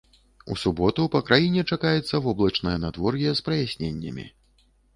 У суботу па краіне чакаецца воблачнае надвор'е з праясненнямі.